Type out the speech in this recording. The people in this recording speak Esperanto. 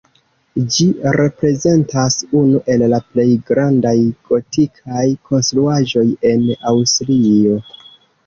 Ĝi reprezentas unu el la plej grandaj gotikaj konstruaĵoj en Aŭstrio.